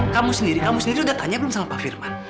kamu sendiri kamu sendiri udah tanya belum sama pak firman